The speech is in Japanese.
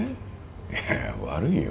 いやいや悪いよ。